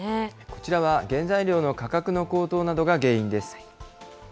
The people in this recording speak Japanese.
こちらは原材料の価格の高騰などが原因です。